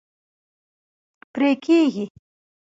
پرې کیږي